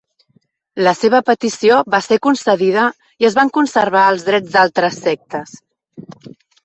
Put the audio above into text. La seva petició va ser concedida i es van conservar els drets d'altres sectes.